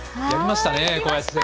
やりましたね。